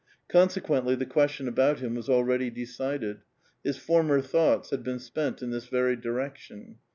Conse qucntlj' the question about him was already decided. His former thoughts had been spent in this very direction.